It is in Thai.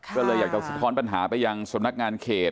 ก็เลยอยากจะสะท้อนปัญหาไปยังสำนักงานเขต